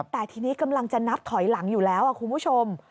แต่ทีนี้กำลังจะนับถอยหลังอยู่แล้วคุณผู้ชม